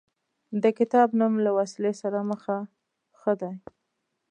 د کتاب نوم له وسلې سره مخه ښه دی.